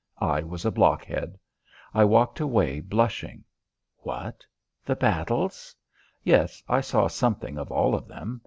I was a blockhead. I walked away blushing. What? The battles? Yes, I saw something of all of them.